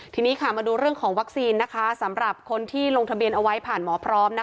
ทีนี้มาดูเรื่องของวัคซีนสำหรับคนที่ลงทะเบียนเอาไว้ผ่านหมอพร้อม